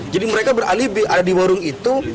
jadi mereka beralih ada di warung itu